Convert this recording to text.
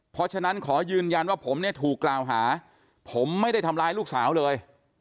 เพราะฉะนั้นขอยืนยันว่าผมเนี่ยถูกกล่าวหาผมไม่ได้ทำร้ายลูกสาวเลย